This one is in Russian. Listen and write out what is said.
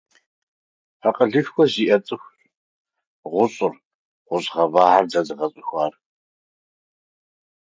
Гений открыл железо, сталь и разные металлы.